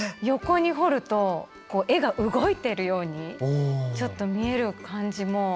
横に彫るとこう絵が動いてるようにちょっと見える感じも。